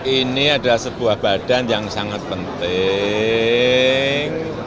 ini adalah sebuah badan yang sangat penting